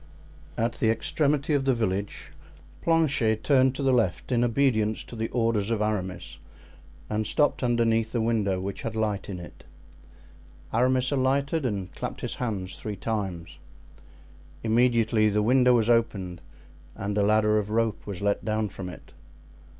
At the extremity of the village Planchet turned to the left in obedience to the orders of Aramis, and stopped underneath the window which had light in it. Aramis alighted and clapped his hands three times. Immediately the window was opened and a ladder of rope was let down from it.